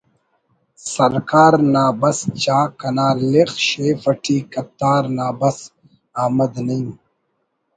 سرکار نا بس چا کنا لخ شیف اٹی کتار نا بس“ احمد نعیم